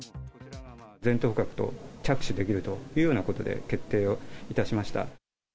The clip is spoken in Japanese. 全頭捕獲と、着手できるというようなことで決定をいたしました。